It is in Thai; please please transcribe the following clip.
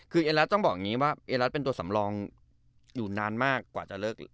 คืออิเอนรัฐต้องบอกว่าอิเอนรัฐเป็นตัวสำรองนานมากกว่าจะเลิก